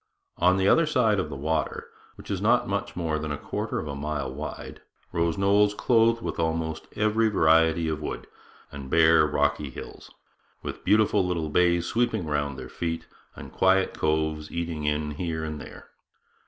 On the other side of the water, which is not much more than a quarter of a mile wide, rose knolls clothed with almost every native variety of wood, and bare rocky hills, with beautiful little bays sweeping round their feet and quiet coves eating in here and there.